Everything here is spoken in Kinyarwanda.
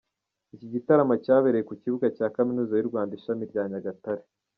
Iki gitaramo cyabereye ku kibuga cya Kaminuza y’u Rwanda ishami rya Nyagatare.